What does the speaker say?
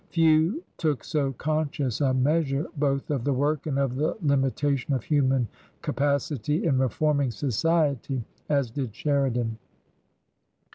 Few took so conscious a measure both of the work and of the limitation of human capacity in re forming society, as did Sheridan.